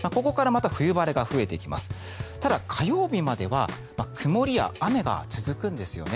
ただ、火曜日までは曇りや雨が続くんですよね。